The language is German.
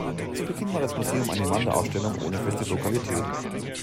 Zu Beginn war das Museum eine Wanderausstellung ohne feste Lokalität.